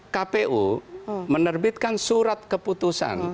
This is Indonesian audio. kpu menerbitkan surat keputusan